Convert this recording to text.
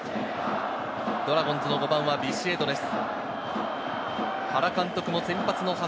ドラゴンズの５番はビシエドです。